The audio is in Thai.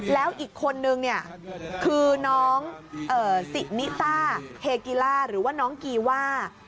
แล้วอีกคนนึงเนี่ยคือน้องสินิซ่าเฮกิล่าหรือว่าน้องกีว่า